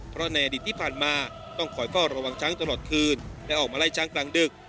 เพราะในอดีตที่ผ่านมาต้องคอยเฝ้าระวังช้างตลอดคืนและออกมาไล่ช้างกลางดึก